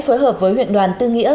phối hợp với huyện đoàn tư nghĩa